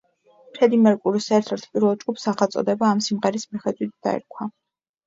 ფრედი მერკურის ერთ-ერთ პირველ ჯგუფს სახელწოდება ამ სიმღერის მიხედვით დაერქვა.